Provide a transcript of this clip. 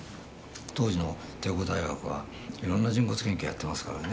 当時の帝国大学が色んな人骨研究やってますからね